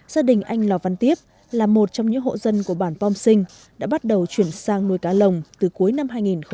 gia đình anh lò văn tiếp là một trong những hộ dân của bản pom sinh đã bắt đầu chuyển sang nuôi cá lồng từ cuối năm hai nghìn một mươi bảy